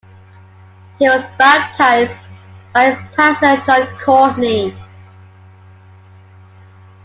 He was baptised by its pastor, John Courtney.